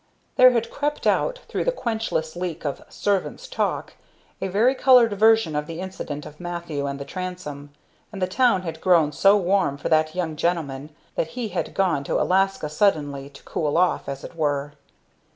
There had crept out, through the quenchless leak of servants talk, a varicolored version of the incident of Mathew and the transom; and the town had grown so warm for that young gentleman that he had gone to Alaska suddenly, to cool off, as it were.